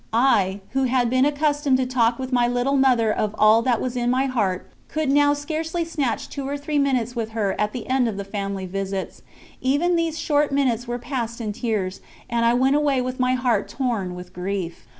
I, who had been accustomed to talk with my little Mother of all that was in my heart, could now scarcely snatch two or three minutes with her at the end of the family visits; even these short minutes were passed in tears, and I went away with my heart torn with grief.